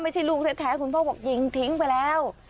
พ่อพ่อบอกยิงทิ้งไปแล้ว